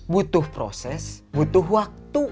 butuh proses butuh waktu